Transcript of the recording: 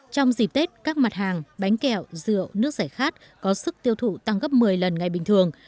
trong dịp tết các mặt hàng bánh kẹo rượu nước giải khát có sức tiêu thụ tăng gấp một mươi lần ngày bình thường